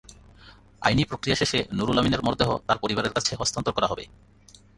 আইনিপ্রক্রিয়া শেষে নুরুল আমিনের মরদেহ তাঁর পরিবারের কাছে হস্তান্তর করা হবে।